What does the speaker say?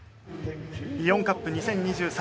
イオンカップ２０２３